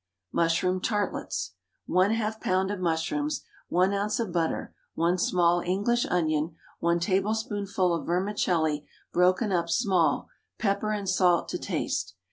MUSHROOM TARTLETS. 1/2 lb. of mushrooms, 1 oz. of butter, 1 small English onion, 1 tablespoonful of vermicelli broken up small, pepper and salt to taste.